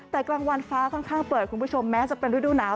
แต่กลางวันฟ้าค่อนข้างเปิดคุณผู้ชมแม้จะเป็นฤดูหนาว